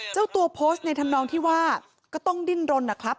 เจ้าตัวโพสต์ในธรรมนองที่ว่าก็ต้องดิ้นรนนะครับ